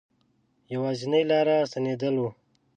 یوازنی لاره ستنېدل وه.